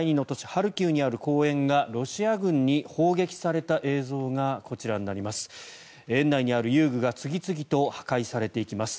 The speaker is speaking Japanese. ハルキウにある公園がロシア軍に砲撃された映像がこちらになります。